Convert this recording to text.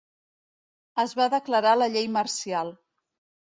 Es va declarar la llei marcial.